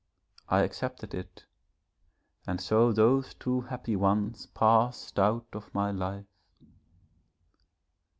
I accepted it, and so those two happy ones passed out of my life.